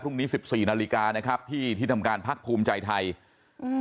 สิบสี่นาฬิกานะครับที่ที่ทำการพักภูมิใจไทยอืม